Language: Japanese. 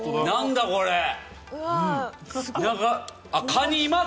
何だこれ。